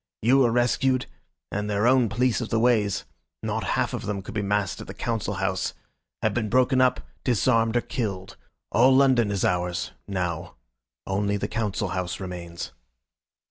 You were rescued, and their own police of the ways not half of them could be massed at the Council House have been broken up, disarmed or killed. All London is ours now. Only the Council House remains.